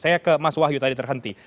saya ke mas wahyu tadi terhenti